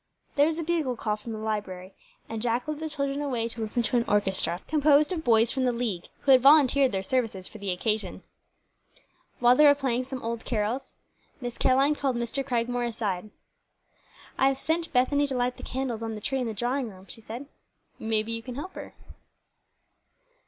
There was a bugle call from the library, and Jack led the children away to listen to an orchestra composed of boys from the League, who had volunteered their services for the occasion. While they were playing some old carols, Miss Caroline called Mr. Cragmore aside. "I've sent Bethany to light the candles on the tree in the drawing room," she said. "May be you can help her."